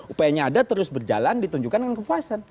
upayanya ada terus berjalan ditunjukkan dengan kepuasan